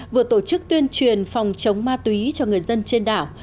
vừa tổ chức tuyên truyền phòng chống ma túy cho người dân trên đảo